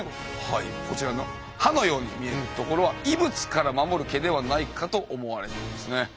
こちらの歯のように見えるところは異物から守る毛ではないかと思われてるんですね。